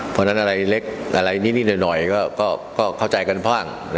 เพราะฉะนั้นอะไรเล็กอะไรนิดหน่อยก็เข้าใจกันบ้าง